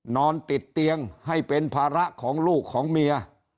นอนติดเตียงให้เป็นภาระของลูกของเมีย